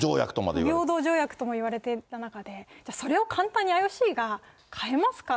不平等条約と言われる中で、それを簡単にＩＯＣが変えますか？